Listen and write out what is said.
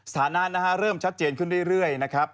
ฐานะนะฮะเริ่มชัดเจนขึ้นเรื่อยนะครับ